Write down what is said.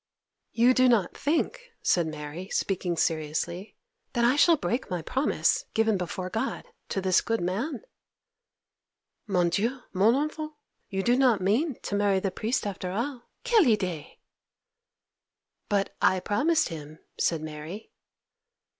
'You do not think,' said Mary, speaking seriously, 'that I shall break my promise, given before God, to this good man?' 'Mon Dieu, mon enfant! You do not mean to marry the priest after all! Quelle idée!' 'But I promised him,' said Mary.